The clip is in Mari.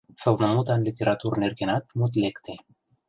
Сылнымутан литератур нергенат мут лекте.